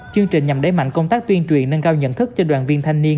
chương trình nhằm đẩy mạnh công tác tuyên truyền nâng cao nhận thức cho đoàn viên thanh niên